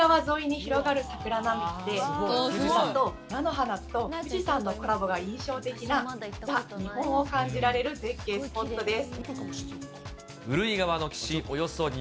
川沿いに広がる桜並木で、富士山と菜の花とのコラボが印象的なザ・日本を感じられる絶景スポットです。